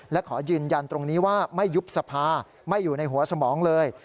และขอยืนยันตรงนี้ว่าไม่ยุบสภาไม่อยู่ในหัวสมองเลย